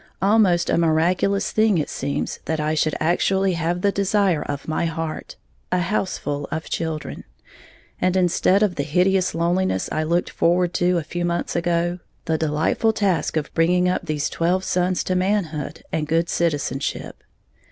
Almost a miraculous thing it seems that I should actually have the desire of my heart, a houseful of children; and, instead of the hideous loneliness I looked forward to a few months ago, the delightful task of bringing up these twelve sons to manhood and good citizenship.